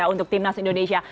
untuk timnas indonesia